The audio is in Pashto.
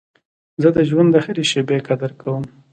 زه د ژوند د هري شېبې قدر کوم.